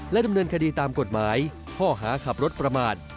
ดำเนินคดีตามกฎหมายข้อหาขับรถประมาท